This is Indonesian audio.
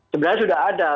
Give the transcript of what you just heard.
sebenarnya sudah ada